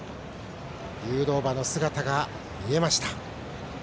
誘導馬の姿が見えました。